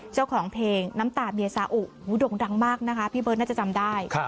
เจ้าของเพลงน้ำตาเมียซาอุด่งดังมากนะคะพี่เบิร์ตน่าจะจำได้